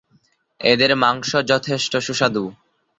এদের মাংস যথেষ্ট সুস্বাদু।